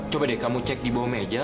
coba deh kamu cek di bawah meja